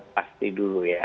pasti dulu ya